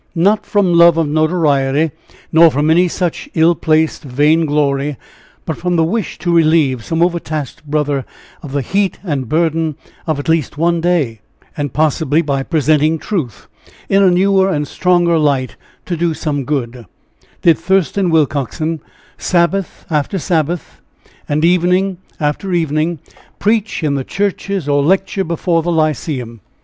Not from love of notoriety not from any such ill placed, vain glory, but from the wish to relieve some overtasked brother of the heat and burden of at least one day; and possibly by presenting truth in a newer and stronger light to do some good, did Thurston Willcoxen, Sabbath after Sabbath, and evening after evening, preach in the churches or lecture before the lyceum.